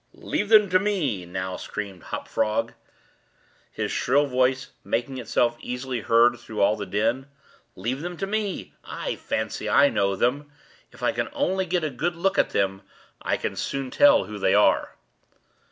"Leave them to me!" now screamed Hop Frog, his shrill voice making itself easily heard through all the din. "Leave them to me. I fancy I know them. If I can only get a good look at them, I can soon tell who they are."